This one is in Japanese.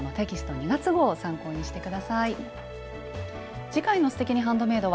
２月号を参考にして下さい。